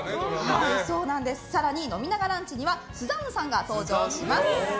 更に、飲みながランチ！にはスザンヌさんが登場します。